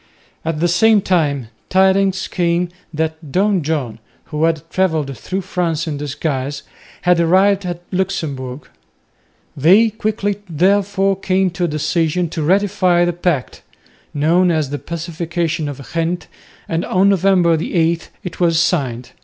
At the same time tidings came that Don John, who had travelled through France in disguise, had arrived at Luxemburg. They quickly therefore came to a decision to ratify the pact, known as the Pacification of Ghent, and on November 8 it was signed.